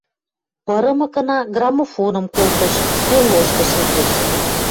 Пырымыкына, грамофоным колтыш, стӧл лошкы шӹндӹш.